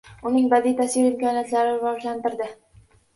Uning badiiy tasvir imkoniyatlarini rivojlantiradi